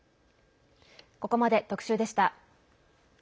ここまで特集でした。